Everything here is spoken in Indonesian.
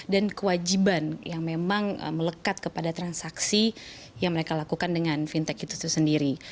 dan kewajiban yang memang melekat kepada transaksi yang mereka lakukan dengan fintech itu sendiri